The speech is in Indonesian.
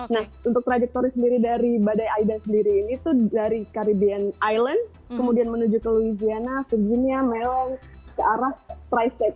nah untuk trajektori sendiri dari badai aida sendiri ini itu dari caribbean island kemudian menuju ke louisiana virginia maryland ke arah tri state